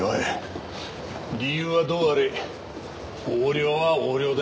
理由はどうあれ横領は横領だよカメさん。